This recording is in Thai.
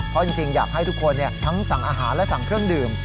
เพราะจริงอยากให้ทุกคนทั้งสั่งอาหารและสั่งเครื่องดื่ม